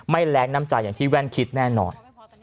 ไม่แหลงน้ำจ่ายอย่างที่แว่นคิดแน่นอน